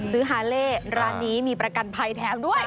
ฮาเล่ร้านนี้มีประกันภัยแถมด้วย